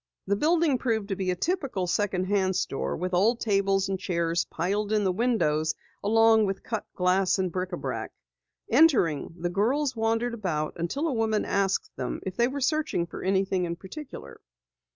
The building proved to be a typical second hand store with old tables and chairs piled in the windows along with cut glass and bric a brac. Entering, the girls wandered about until a woman asked them if they were searching for anything in particular.